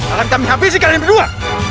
akan kami habiskan ini berdua